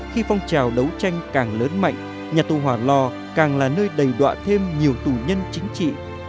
khi phong trào đấu tranh càng lớn mạnh nhà tù hòa lò càng là nơi đầy đạa thêm nhiều tù nhân chính trị